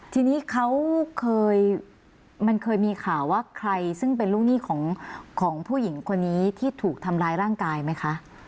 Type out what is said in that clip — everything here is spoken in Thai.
ทีนี้เขาเคยมันเคยมีข่าวว่าใครซึ่งเป็นลูกหนี้ของผู้หญิงคนนี้ที่ถูกทำร้ายร่างกายไหมคะ